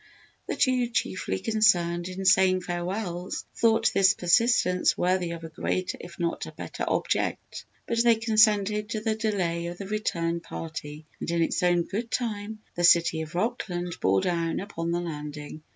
The two chiefly concerned in saying farewells thought this persistence worthy of a greater if not a better object. But they consented to the delay of the return party and in its own good time the "City of Rockland" bore down upon the landing.